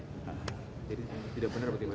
jadi tidak benar bagi mana